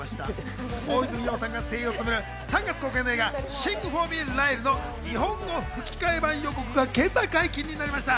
大泉洋さんが声優を務める３月公開の映画『シング・フォー・ミー、ライル』の日本語吹き替え版予告が今朝、解禁になりました。